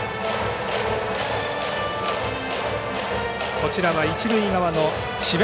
こちらは一塁側の智弁